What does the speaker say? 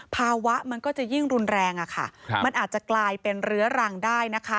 มันก็จะยิ่งรุนแรงอะค่ะมันอาจจะกลายเป็นเรื้อรังได้นะคะ